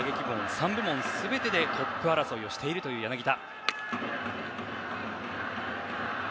３部門全てでトップ争いをしている柳田。